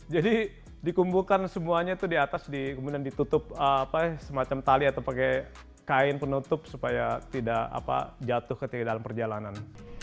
jadi dikumbukan semuanya itu di atas kemudian ditutup semacam tali atau pakai kain penutup supaya tidak jatuh ketika dalam perjalanan